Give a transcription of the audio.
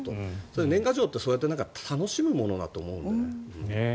年賀状ってそうやって楽しむものだと思うのでね。